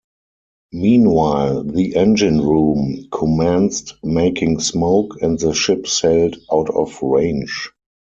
Meanwhile, the engine room commenced making smoke and the ship sailed out of range.